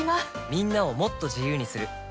みんなをもっと自由にする「三菱冷蔵庫」